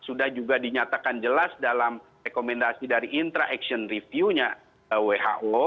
sudah juga dinyatakan jelas dalam rekomendasi dari intra action review nya who